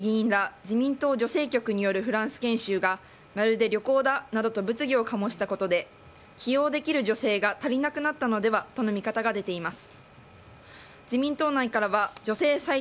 ２つ目は、松川るい議員ら自民党女性局によるフランス研修がまるで旅行だなどと物議を醸したことで起用できる女性が足りなくなったのではとの見方が出ています。